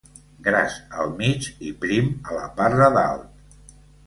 Gras al mig i prim a la part de dalt.